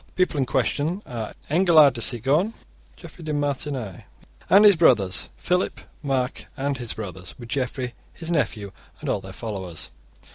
The people in question are Engelard de Cigogn, Geoffrey de Martigny and his brothers, Philip Marc and his brothers, with Geoffrey his nephew, and all their followers.